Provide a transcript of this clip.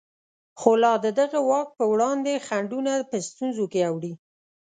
خو لا د دغه واک په وړاندې خنډونه په ستونزو کې اوړي.